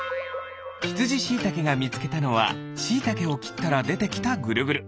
ひつじしいたけがみつけたのはしいたけをきったらでてきたぐるぐる。